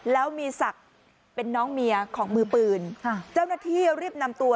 แล้วมีศักดิ์เป็นน้องเมียของมือปืนค่ะเจ้าหน้าที่รีบนำตัว